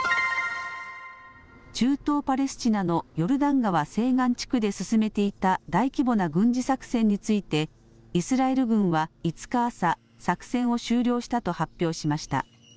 中東パレスチナのヨルダン川西岸地区で進めていた大規模な軍事作戦について、イスラエル軍は５日朝、作戦を終了したと発表しました。